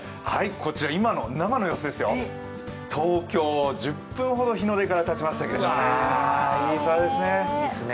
こちら、今の生の様子ですよ東京、１０分ほど日の出からたちましたけどね、いい空ですね。